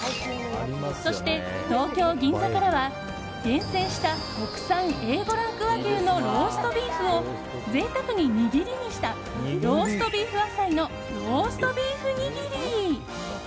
そして、東京・銀座からは厳選した国産Ａ５ランク和牛のローストビーフを贅沢に握りにしたローストビーフ浅伊のローストビーフにぎり。